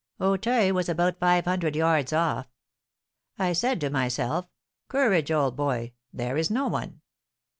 Auteuil was about five hundred yards off. I said to myself,'Courage, old boy, there is no one.